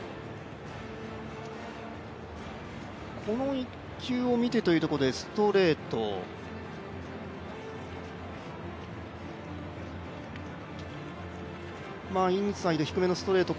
この１球を見てということで、ストレート。